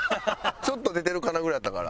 ちょっと出てるかなぐらいだったから。